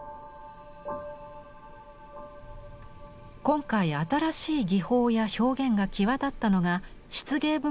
今回新しい技法や表現が際立ったのが漆芸部門です。